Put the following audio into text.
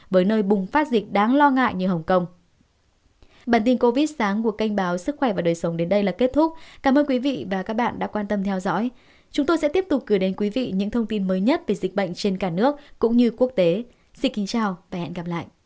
với nơi bùng phát dịch đáng lo ngại như hồng kông